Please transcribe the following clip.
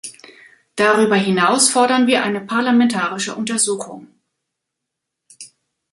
Darüber hinaus fordern wir eine parlamentarische Untersuchung.